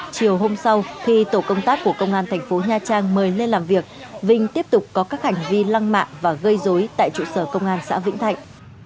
chiều hôm sau khi tổ công tác của công an thành phố nha trang mời lên làm việc vinh tiếp tục có các hành vi lăng mạ và gây dối tại trụ sở công an xã vĩnh thạnh